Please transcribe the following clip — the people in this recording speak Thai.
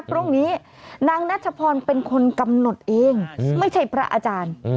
พรุ่งนี้นางนัชพรเป็นคนกำหนดเองไม่ใช่พระอาจารย์